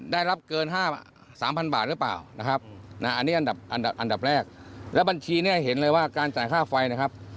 ได้รับเกิน๕๓๐๐บาทหรือเปล่านะครับอันนี้อันดับแรกแล้วบัญชีเนี่ยเห็นเลยว่าการจ่ายค่าไฟนะครับ